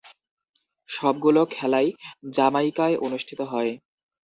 সবগুলো খেলাই জামাইকায় অনুষ্ঠিত হয়।